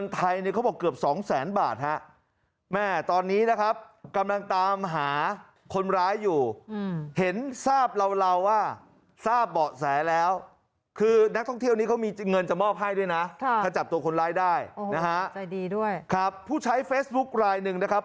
ถ้าจับตัวคนร้ายได้ใจดีด้วยครับผู้ใช้เฟสบุ๊คลายหนึ่งนะครับ